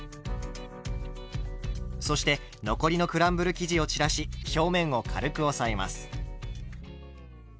そして残りのクランブル生地を散らし表面を軽く押さえます。